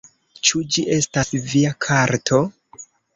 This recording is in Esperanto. Ĉu ĝi estas via karto?